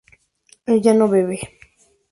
ella no bebe